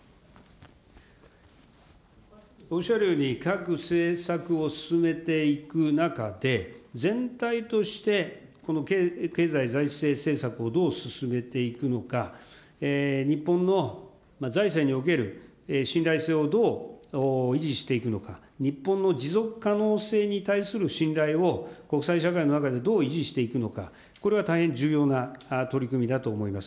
おっしゃるように、各政策を進めていく中で、全体としてこの経済財政政策をどう進めていくのか、日本の財政における信頼性をどう維持していくのか、日本の持続可能性に対する信頼を、国際社会の中でどう維持していくのか、これは大変重要な取り組みだと思います。